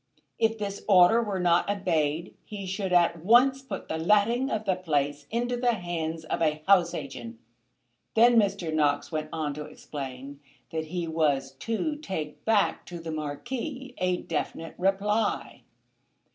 If this order were not obeyed he should at once put the letting of the place into the hands of a house agent. Then Mr. Knox went on to explain that he was to take back to the Marquis a definite reply.